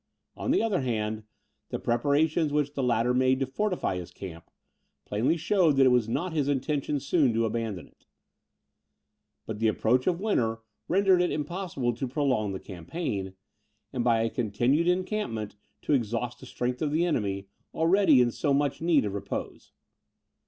On the other hand, the preparations which the latter made to fortify his camp, plainly showed that it was not his intention soon to abandon it. But the approach of winter rendered it impossible to prolong the campaign, and by a continued encampment to exhaust the strength of the army, already so much in need of repose.